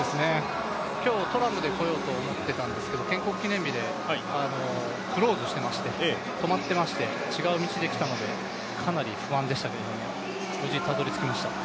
今日、トラムで来ようと思っていたんですけど、建国記念日でクローズしていまして止まっていまして違う道で来たので、かなり不安でしたけれども、無事、たどりつきました。